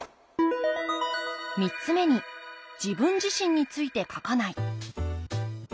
３つ目に「自分自身について書かない」。